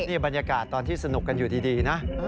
นี่บรรยากาศตอนที่สนุกกันอยู่ดีนะ